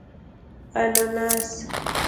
🍍 انناس